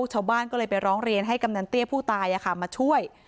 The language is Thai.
ชาวบ้านก็เลยไปร้องเรียนให้กำนันเตี้ยผู้ตายมาช่วย